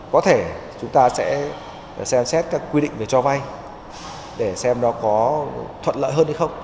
có thể chúng ta sẽ xem xét các quy định về cho vay để xem nó có thuận lợi hơn hay không